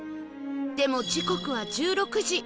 でも時刻は１６時